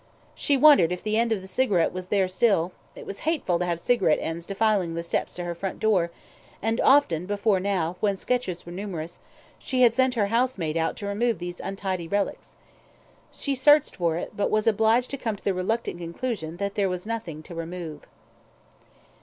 She wondered if the end of the cigarette was there still: it was hateful to have cigarette ends defiling the steps to her front door, and often before now, when sketches were numerous, she had sent her housemaid out to remove these untidy relics. She searched for it, but was obliged to come to the reluctant conclusion that there was nothing to remove.